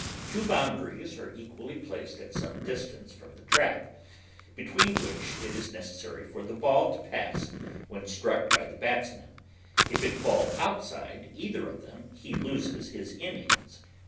Two boundaries are equally placed at some distance from the trap, between which it is necessary for the ball to pass when struck by the batsman; if it fall outside either of them he loses his innings.